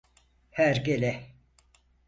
Hergele!